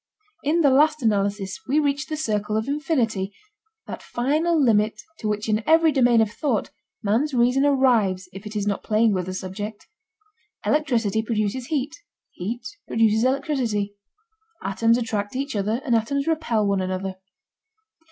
In the last analysis we reach the circle of infinity—that final limit to which in every domain of thought man's reason arrives if it is not playing with the subject. Electricity produces heat, heat produces electricity. Atoms attract each other and atoms repel one another.